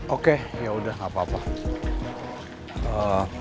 oke yaudah nggak apa apa